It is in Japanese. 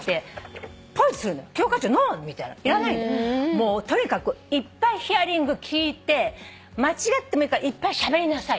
もうとにかくいっぱいヒアリング聞いて間違ってもいいからいっぱいしゃべりなさい。